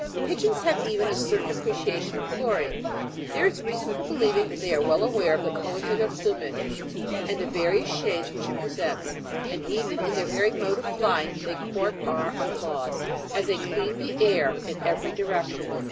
Pigeons have even a certain appreciation of glory. There is reason for believing that they are well aware of the colours of their plumage, and the various shades which it presents, and even in their very mode of flying they court our applause, as they cleave the air in every direction.